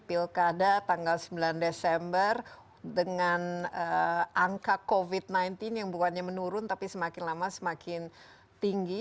pilkada tanggal sembilan desember dengan angka covid sembilan belas yang bukannya menurun tapi semakin lama semakin tinggi